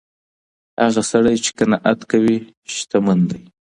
هغه سړی چي قناعت کوي شتمن دی.